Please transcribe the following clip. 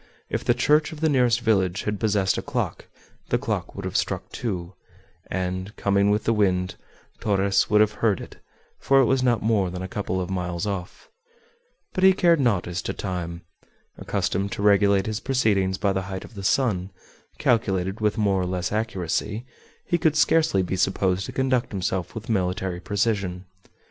If the church of the nearest village had possessed a clock, the clock would have struck two, and, coming with the wind, Torres would have heard it, for it was not more than a couple of miles off. But he cared not as to time. Accustomed to regulate his proceedings by the height of the sun, calculated with more or less accuracy, he could scarcely be supposed to conduct himself with military precision.